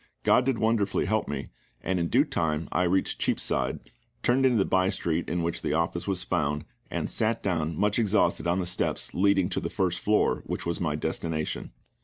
GOD did wonderfully help me, and in due time I reached Cheapside, turned into the by street in which the office was found, and sat down much exhausted on the steps leading to the first floor, which was my destination.